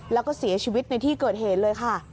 แล้วก็เสียชีวิตในที่เกิดเหตุเลยค่ะ